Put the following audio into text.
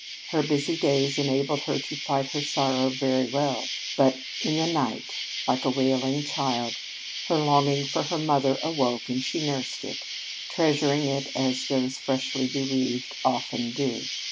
Her busy days enabled her to fight her sorrow very well, but in the night, like a wailing child, her longing for her mother awoke, and she nursed it, treasuring it as those freshly bereaved often do.